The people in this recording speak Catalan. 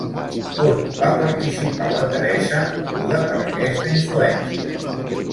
On va participar la Teresa moguda per aquesta influència?